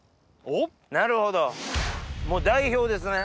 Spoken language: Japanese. なるほどもう代表ですね。